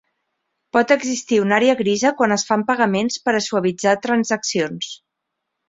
Pot existir una àrea grisa quan es fan pagaments per a suavitzar transaccions.